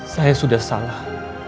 saya sudah salah